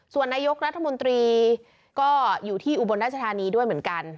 ส่วนนายกรัฐมนตรีก็อยู่ที่อุบลราชธานีด้วยเหมือนกัน